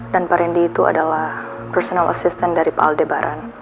dan pak rendy itu adalah personal assistant dari pak aldebaran